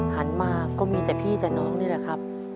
หันมาก็มีแต่พี่แต่น้องนี่แหละครับ